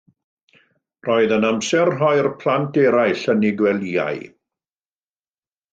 Roedd yn amser rhoi'r plant eraill yn eu gwelyau.